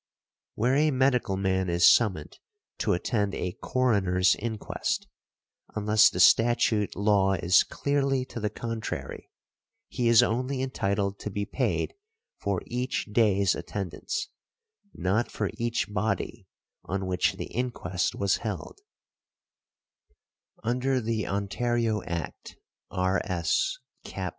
Where a medical man is summoned to attend a coroner's inquest, unless the statute law is clearly to the contrary, |27| he is only entitled to be paid for each days attendance, not for each body on which the inquest was held . Under the Ontario Act, R. S. cap.